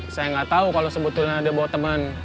saya gak tau kalau sebetulnya ada bawa temen